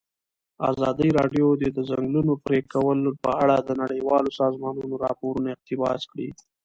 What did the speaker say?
ازادي راډیو د د ځنګلونو پرېکول په اړه د نړیوالو سازمانونو راپورونه اقتباس کړي.